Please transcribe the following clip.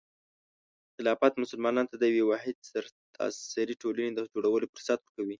خلافت مسلمانانو ته د یوې واحدې سرتاسري ټولنې د جوړولو فرصت ورکوي.